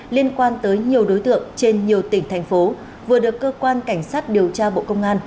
liên quan tới nhiều đối tượng trên nhiều tỉnh thành phố vừa được cơ quan cảnh sát điều tra bộ công an